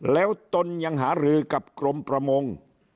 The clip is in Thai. แล้วตนยังหารือกับกรมประมง